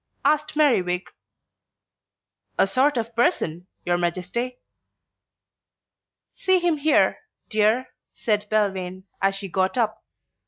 asked Merriwig. "A sort of person, your Majesty." "See him here, dear," said Belvane, as she got up.